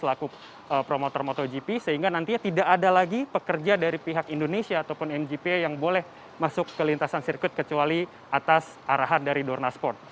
selaku promotor motogp sehingga nantinya tidak ada lagi pekerja dari pihak indonesia ataupun mgpa yang boleh masuk ke lintasan sirkuit kecuali atas arahan dari dorna sport